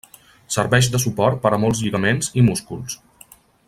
Serveix de suport per a molts lligaments i músculs.